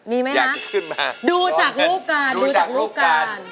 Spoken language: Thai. ดูจากรูปการ